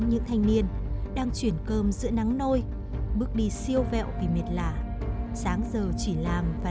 những thanh niên đang chuyển cơm giữa nắng nôi bước đi siêu vẹo vì mệt lạ sáng giờ chỉ làm và